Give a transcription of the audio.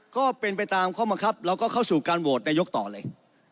ก็เป็นไปตามข้อมังคับเราก็เข้าสู่การโหวตนายกต่อเลย